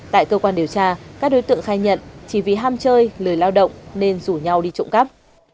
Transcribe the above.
tại cơ quan điều tra các đối tượng khai nhận chỉ vì ham chơi lười lao động nên rủ nhau đi trộm cắp